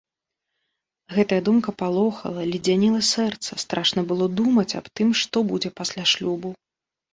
Гэтая думка палохала, ледзяніла сэрца, страшна было думаць аб тым, што будзе пасля шлюбу.